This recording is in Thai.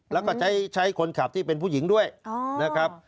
แล้วก็ใช้คนขับที่เป็นผู้หญิงด้วยนะครับ